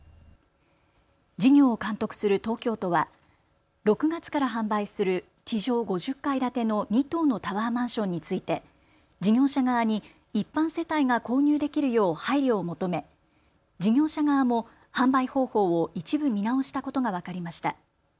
事業を監督する東京都は６月から販売する地上５０階建ての２棟のタワーマンションについて事業者側に一般世帯が購入できるよう配慮を求め事業者側も販売方法を一部見直したことが分かりました。